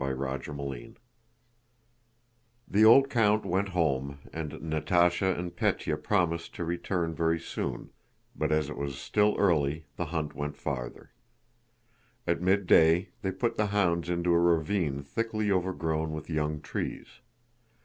CHAPTER VI The old count went home, and Natásha and Pétya promised to return very soon, but as it was still early the hunt went farther. At midday they put the hounds into a ravine thickly overgrown with young trees.